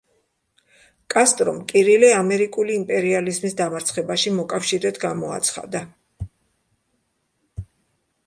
კასტრომ კირილე ამერიკული იმპერიალიზმის დამარცხებაში მოკავშირედ გამოაცხადა.